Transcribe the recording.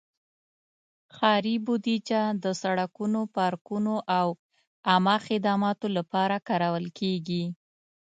ښاري بودیجه د سړکونو، پارکونو، او عامه خدماتو لپاره کارول کېږي.